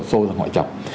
họ đổ xô ra họ trồng